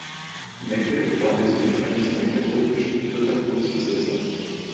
Neckel war der Sohn eines mecklenburgischen Rittergutsbesitzers.